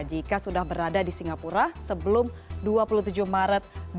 jika sudah berada di singapura sebelum dua puluh tujuh maret